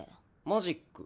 マジック。